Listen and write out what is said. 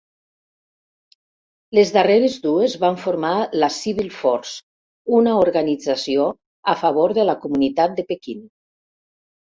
Les darreres dues van formar la "Civil Force", una organització a favor de la comunitat de Pequín.